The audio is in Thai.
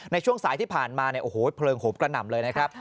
ในช่วงสายที่ผ่านมาเนี่ยโอ้โหเพลิงโหมกระหน่ำเลยนะครับ